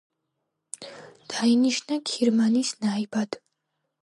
დაინიშნა ქირმანის ნაიბად.